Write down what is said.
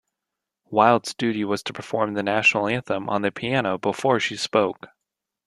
Wild's duty was to perform the national anthem on the piano before she spoke.